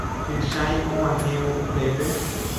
Pychãi og̃uahẽvo upépe.